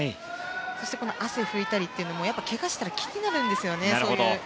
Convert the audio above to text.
そして汗を拭いたりというのもけがをしたら気になるんですよね。